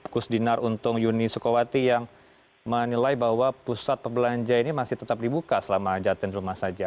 kus dinar untung uni sukawati yang menilai bahwa pusat pebelanja ini masih tetap dibuka selama jatuh di rumah saja